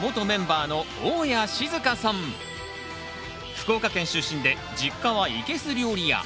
福岡県出身で実家は生けす料理屋。